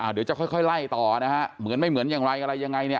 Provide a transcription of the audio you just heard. เดี๋ยวจะค่อยไล่ต่อเหมือนไม่เหมือนยังไรยังไง